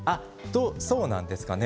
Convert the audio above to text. そうなんですかね？